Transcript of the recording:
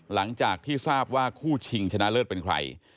หลังจากที่ทราบว่าคู่ชิงชนะเลิศเป็นใคร